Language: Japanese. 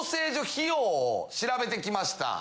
費用を調べてきました。